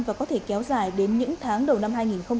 và có thể kéo dài đến những tháng đầu năm hai nghìn hai mươi